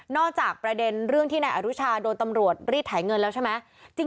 จากประเด็นเรื่องที่นายอรุชาโดนตำรวจรีดไถเงินแล้วใช่ไหม